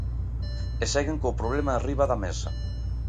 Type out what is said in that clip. E seguen co problema enriba da mesa.